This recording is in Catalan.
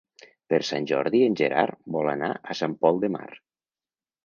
Per Sant Jordi en Gerard vol anar a Sant Pol de Mar.